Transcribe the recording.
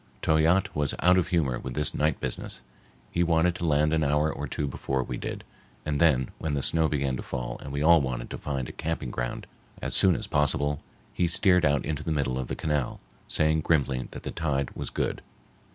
Toyatte was out of humor with this night business. He wanted to land an hour or two before we did, and then, when the snow began to fall and we all wanted to find a camping ground as soon as possible, he steered out into the middle of the canal, saying grimly that the tide was good.